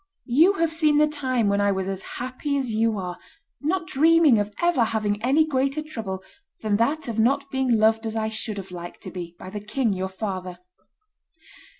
... You have seen the time when I was as happy as you are, not dreaming of ever having any greater trouble than that of not being loved as I should have liked to be by the king your father.